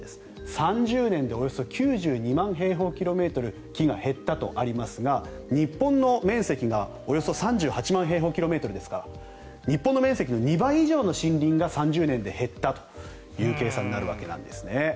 ３０年でおよそ９２万平方キロメートル木が減ったとありますが日本の面積がおよそ３８万平方キロメートルですから日本の面積の２倍以上の森林が３０年で減ったという計算になるわけなんですね。